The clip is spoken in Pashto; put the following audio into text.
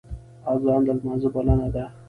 اذان د لمانځه بلنه ده